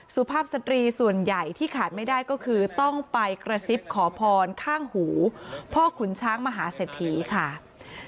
สุภาพสตรีส่วนใหญ่ที่ขาดไม่ได้ก็คือต้องไปกระซิบขอพรข้างหูพ่อขุนช้างมหาเศรษฐีค่ะ